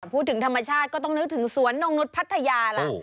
พูดถึงธรรมชาติก็ต้องนึกถึงสวนนงนุษย์พัทยาล่ะ